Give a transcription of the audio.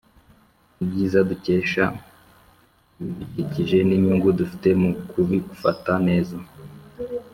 ibyiza dukesha ibidukikije n inyungu dufite mu kubifata neza